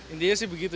intinya sih begitu